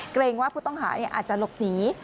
เกรงว่าผู้ต้องหาอาจจะหลบหนี